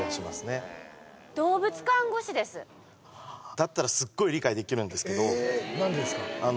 ねだったらすっごい理解できるんですけどなんでですか？